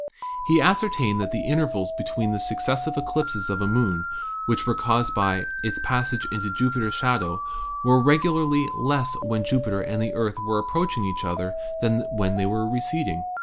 He ascertained that the intervals between successive eclipses of a moon, which were caused "by its passage into Jupiter's shadow, were regularly less when Jupiter and the Earth were approaching each other than when they were receding.